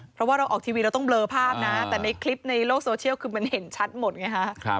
เพราะว่าเราออกทีวีเราต้องเลอภาพนะแต่ในคลิปในโลกโซเชียลคือมันเห็นชัดหมดไงฮะ